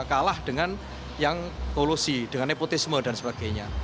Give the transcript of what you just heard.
kalah dengan yang kolusi dengan nepotisme dan sebagainya